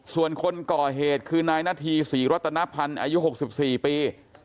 ส่วนคนก่อเหตุคือนายนาธีศรีรัตนพันธ์อายุ๖๔ปี